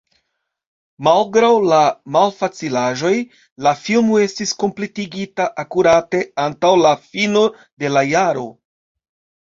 Malgraŭ la malfacilaĵoj, la filmo estis kompletigita akurate antaŭ la fino de la jaro.